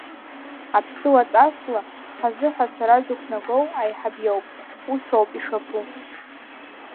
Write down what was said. Аԥсуаҵасла хазы ҳәа ацара зықәнаго аиҳаб иоуп, усоуп ишаԥу.